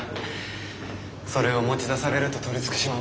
それを持ち出されると取りつく島もない。